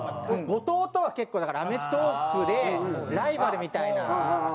後藤とは結構だから『アメトーーク』でライバルみたいな。